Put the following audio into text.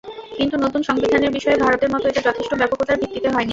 কিন্তু নতুন সংবিধানের বিষয়ে ভারতের মত, এটা যথেষ্ট ব্যাপকতার ভিত্তিতে হয়নি।